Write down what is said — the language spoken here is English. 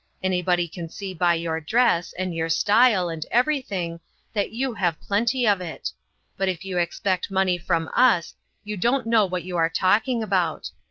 Anybody can see by your dress, and your style, and everything, that you have plenty of it; but if you expect money from us, you don't know what you are talk ing about.